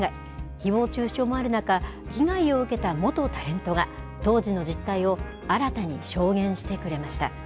ひぼう中傷もある中、被害を受けた元タレントが当時の実態を新たに証言してくれました。